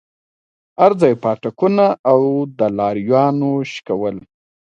هرځاى پاټکونه او د لارويانو شکول.